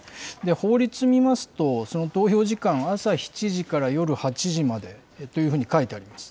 法律を見ますと、その投票時間、朝７時から夜８時までというふうに書いてあります。